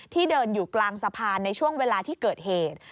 เดินอยู่กลางสะพานในช่วงเวลาที่เกิดเหตุ